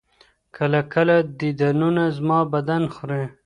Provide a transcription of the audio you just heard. كله ،كله ديدنونه زما بــدن خــوري